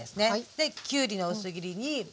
できゅうりの薄切りにパプリカ。